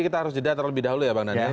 kita harus jeda terlebih dahulu ya bang daniel